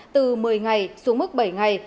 từ một mươi ngày xuống mức bảy ngày